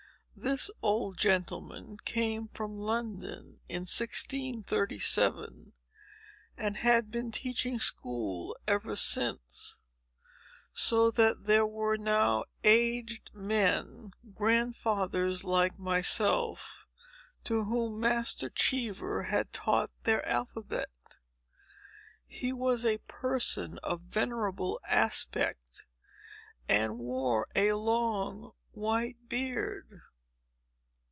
This old gentleman came from London in 1637, and had been teaching school ever since; so that there were now aged men, grandfathers like myself, to whom Master Cheever had taught their alphabet. He was a person of venerable aspect, and wore a long white beard.